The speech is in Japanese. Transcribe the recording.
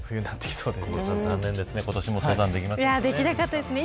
残念ですね小室さん、今年も登山できませんでしたね。